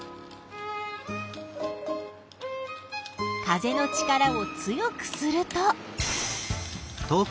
風の力を強くすると。